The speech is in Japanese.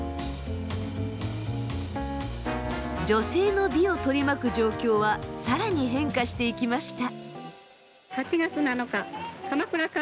女性の美を取り巻く状況は更に変化していきました。